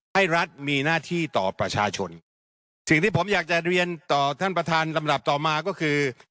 ให้รัฐมีหน้าที่ต่อประชาชนสิ่งที่ผมอยากจะเรียนต่อท่านประธานลำดับต่อมาก็คือ